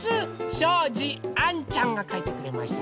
しょうじあんちゃんがかいてくれました。